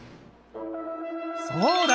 そうだ！